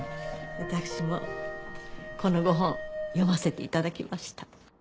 私もこのご本読ませて頂きました。